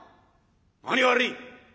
「何が悪い！」。